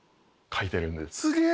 すげえ！